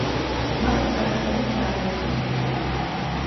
მათ წარმატებით დაამარცხეს თურქები.